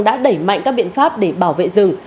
đã đẩy mạnh các biện pháp để bảo vệ rừng